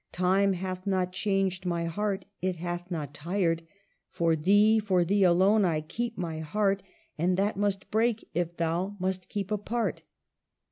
Time hath not changed my heart, it hath not tired. For thee, for thee alone, I keep my heart, And that must break if thou must keep apart.